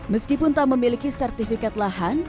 meskipun tak memiliki sertifikat lahan